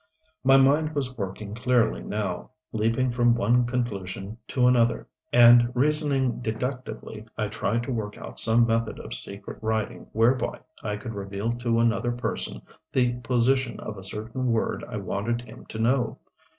My mind was working clearly now, leaping from one conclusion to another; and reasoning deductively I tried to work out some method of secret writing whereby I could reveal to another person the position of a certain word I wanted him to know.